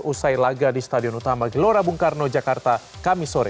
usai laga di stadion utama gelora bung karno jakarta kami sore